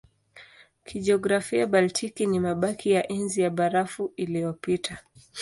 Kijiografia Baltiki ni mabaki ya Enzi ya Barafu iliyopita.